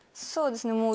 そうですね。